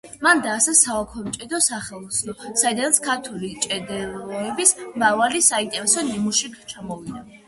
მან დააარსა საოქრომჭედლო სახელოსნო, საიდანაც ქართული ჭედურობის მრავალი საინტერესო ნიმუში გამოვიდა.